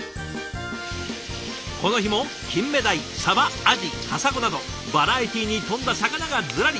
この日もキンメダイサバアジカサゴなどバラエティーに富んだ魚がズラリ。